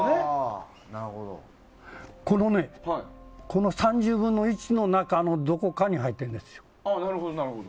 この３０分の１の中のどこかに入ってるんですよ。